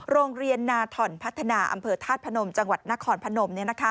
โรงเรียนนาถ่อนพัฒนาอำเภอธาตุพนมจังหวัดนครพนม